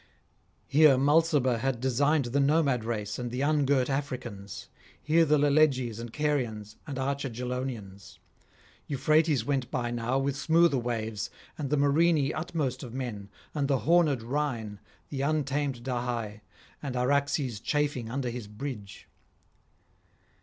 Here Mulciber had designed the Nomad race and the ungirt Africans, here the Leleges and Carians and archer Gelonians. Euphrates went by now with smoother waves, and the Morini utmost of men, and the hornèd Rhine, the untamed Dahae, and Araxes chafing under his bridge.